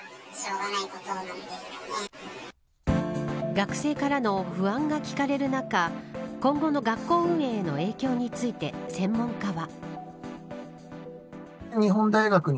学生からの不安が聞かれる中今後の学校運営への影響について専門家は。